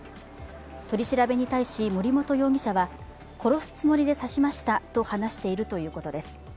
取り調べに対し、森本容疑者は殺すつもりで刺しましたと話しているということです。